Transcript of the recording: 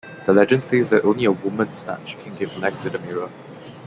The legend says that only a woman's touch can give life to the mirror.